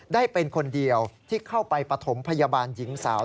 ได้เป็นคนเดียวที่เข้าไปปฐมพยาบาลหญิงสาว